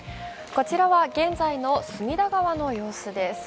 こちらは現在の隅田川の様子です。